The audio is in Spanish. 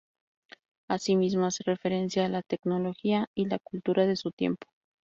Asimismo, hace referencia a la tecnología y la cultura de su tiempo.